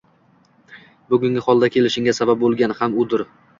Bugungi holga kelishingga, sabab bo'lgan ham udir.